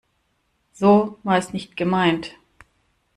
So war es nicht gemeint.